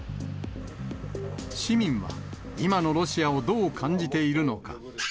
市民は今のロシアをどう感じているのか。